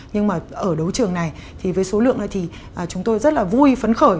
nhưng mà ở đấu trường này thì với số lượng này thì chúng tôi rất là vui phấn khởi